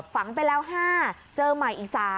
ฝังไปแล้ว๕เจอใหม่อีก๓